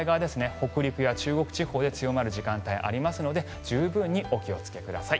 北陸や中国地方で強まる時間帯がありますので十分にお気をつけください。